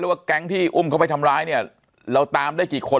รู้ว่าแกงที่อุ่มเข้าไปทำร้ายเนี่ยแล้วตามได้กี่คน